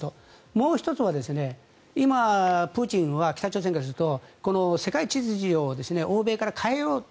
もう１つは今、プーチンは北朝鮮からするとこの世界秩序を欧米から変えようと。